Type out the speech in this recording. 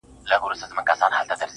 ستا له تصويره سره.